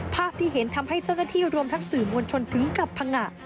ภาพที่เห็นทำให้เจ้าหน้าที่รวมทั้งสื่อมวลชนถึงกับพังงะ